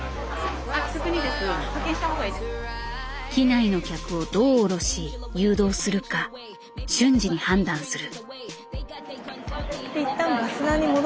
機内の客をどう降ろし誘導するか瞬時に判断する。